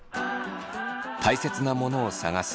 たいせつなものを探す